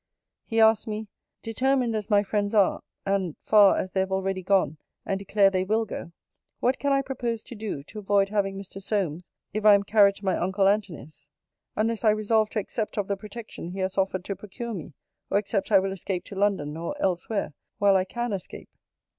He asks me, 'Determined, as my friends are, and far as they have already gone, and declare they will go, what can I propose to do, to avoid having Mr. Solmes, if I am carried to my uncle Antony's; unless I resolve to accept of the protection he has offered to procure me; or except I will escape to London, or elsewhere, while I can escape?'